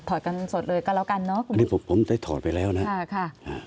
ถอดกันสดเลยก็แล้วกันเนอะนี่ผมได้ถอดไปแล้วนะค่ะค่ะ